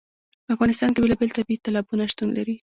په افغانستان کې بېلابېل طبیعي تالابونه شتون لري.